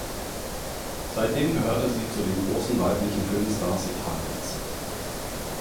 Seitdem gehörte sie zu den großen weiblichen Filmstars Italiens.